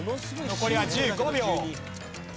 残りは１５秒。